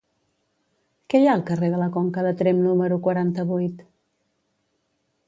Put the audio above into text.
Què hi ha al carrer de la Conca de Tremp número quaranta-vuit?